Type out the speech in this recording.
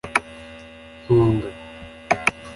Ntunga